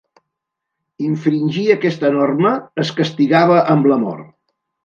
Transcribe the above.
Infringir aquesta norma es castigava amb la mort.